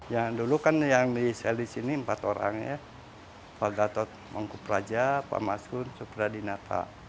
yang dulu kan yang diselisihkan ini empat orang ya pak gatot pak kupraja pak masgun soekarno pak dinata